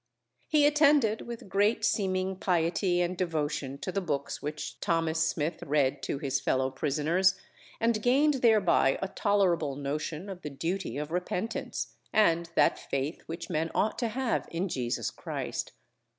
He attended with great seeming piety and devotion to the books which Thomas Smith read to his fellow prisoners, and gained thereby a tolerable notion of the duty of repentance, and that faith which men ought to have in Jesus Christ.